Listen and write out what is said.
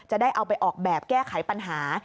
จะได้เอาไปออกแบบแก้ไขปัญหา